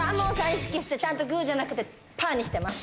意識してちゃんとグーじゃなくてパーにしてます